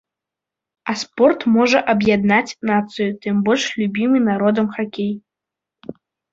А спорт можа аб'яднаць нацыю, тым больш любімы народам хакей.